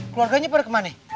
keluarganya pada kemana